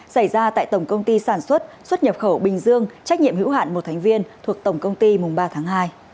xảy ra tại tổng công ty sản xuất xuất nhập khẩu bình dương trách nhiệm hữu hạn một thành viên thuộc tổng công ty mùng ba tháng hai